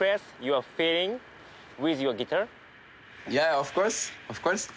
オフコース。